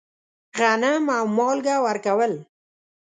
غنم او مالګه ورکول.